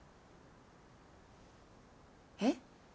えっ？